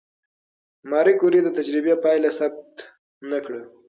ماري کوري د تجربې پایله ثبت نه کړه؟